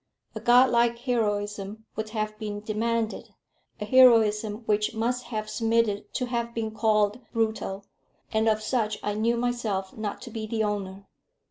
A godlike heroism would have been demanded, a heroism which must have submitted to have been called brutal, and of such I knew myself not to be the owner.